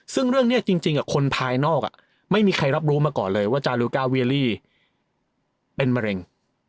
ซึ่งเรื่องนี้จริงคนภายนอกไม่มีใครรับรู้มาก่อนเลยว่าจารุกาเวียรี่เป็นมะเร็ง